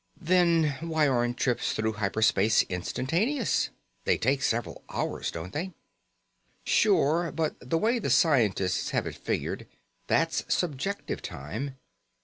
"Then why aren't trips through hyper space instantaneous? They take several hours, don't they?" "Sure, but the way scientists have it figured, that's subjective time.